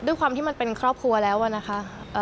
ด้วยความที่มันเป็นครอบครัวแล้วนะคะ